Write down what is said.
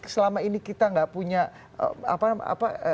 selama ini kita tidak punya